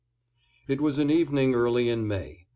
IT was an evening early in May.